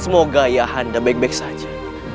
semoga ya anda baik baik saja